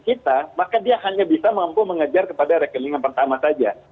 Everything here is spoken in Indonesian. kalau ada yang melakukan hacking maka dia hanya bisa mampu mengejar kepada rekening yang pertama saja